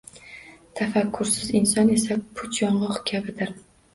Tafakkursiz inson esa puch yong‘oq kabidir.